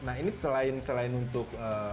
nah ini selain untuk